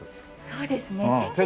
そうですね。